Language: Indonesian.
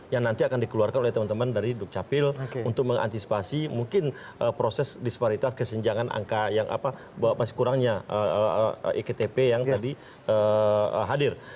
yang nanti akan dikeluarkan oleh teman teman dari dukcapil untuk mengantisipasi mungkin proses disparitas kesenjangan angka yang apa bahwa masih kurangnya iktp yang tadi hadir